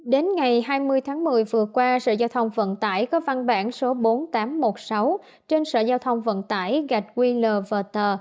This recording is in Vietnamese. đến ngày hai mươi tháng một mươi vừa qua sở giao thông vận tải có văn bản số bốn nghìn tám trăm một mươi sáu trên sở giao thông vận tải gạch qlverter